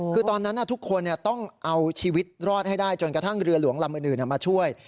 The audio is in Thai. คือตอนนั้นทุกคนต้องเอาชีวิตรอดให้ได้จนกระทั่งเรือหลวงลำอื่นมาช่วย